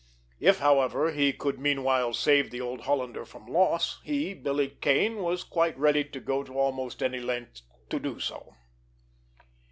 If, however, he could meanwhile save the old Hollander from loss, he, Billy Kane, was quite ready to go to almost any length to do so.